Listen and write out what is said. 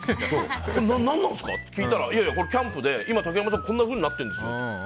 って聞いたらいやいや、これキャンプで今、竹山さんこんなふうになってるんですよって。